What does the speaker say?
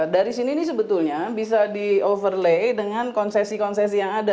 dari sini ini sebetulnya bisa di overlay dengan konsesi konsesi yang ada